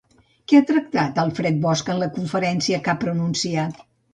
Què ha tractat Alfred Bosch en la conferència que ha pronunciat?